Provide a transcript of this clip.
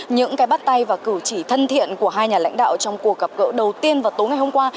những cái bắt tay và cử chỉ thân thiện của hai nhà lãnh đạo trong cuộc gặp gỡ đầu tiên vào tối ngày hôm qua